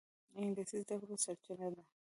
انګلیسي د زده کړو سرچینه ده